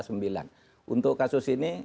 sembilan untuk kasus ini